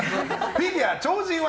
フィギュア超人技